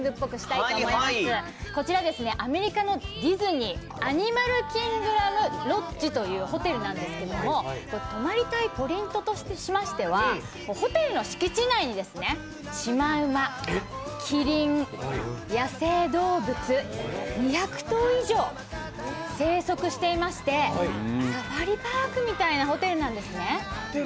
こちらアメリカのディズニー・アニマルキングダム・ロッジというホテルで泊まりたいポイントとしましてはホテルの敷地内にしまうま、きりん、野生動物、２００頭以上生息していまして、サファリパークみたいなホテルなんですね。